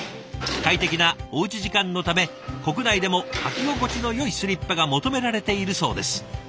快適なおうち時間のため国内でも履き心地のよいスリッパが求められているそうです。